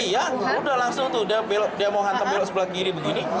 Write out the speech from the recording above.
iya udah langsung tuh dia mau hantam belok sebelah kiri begini